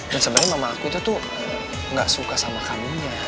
dan sebenernya mama aku itu tuh gak suka sama kamunya